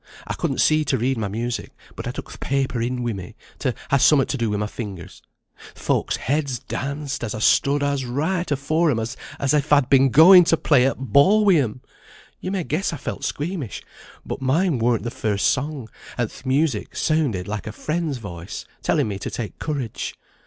I couldn't see to read my music, but I took th' paper in wi' me, to ha' somewhat to do wi' my fingers. Th' folks' heads danced, as I stood as right afore 'em all as if I'd been going to play at ball wi' 'em. You may guess I felt squeamish, but mine weren't the first song, and th' music sounded like a friend's voice, telling me to take courage.